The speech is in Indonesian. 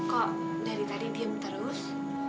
kok dari tadi diem terus